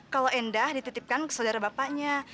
kalau endah dititipkan ke saudara bapaknya